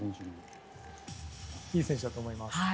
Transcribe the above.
いい選手だと思います。